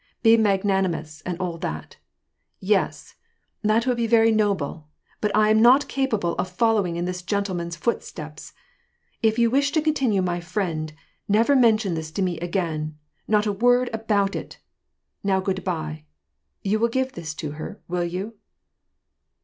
Be magnanimous, and all that. — Yes, thjit would be very noble, but I am not capable of fol lowing in this gentleman's footsteps. — If you wish to continue my friend, never mention this to me again — not a word about it. Now, good by. You will give this to her, will you